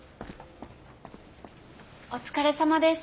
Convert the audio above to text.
お疲れさまです。